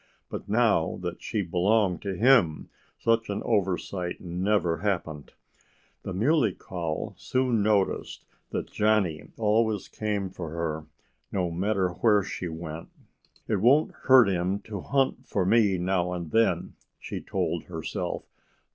But now that she belonged to him such an oversight never happened. The Muley Cow soon noticed that Johnnie always came for her, no matter where she went. "It won't hurt him to hunt for me now and then," she told herself.